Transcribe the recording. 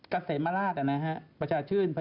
กัศเซมาราชประชาชื่น